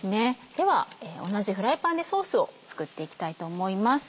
では同じフライパンでソースを作っていきたいと思います。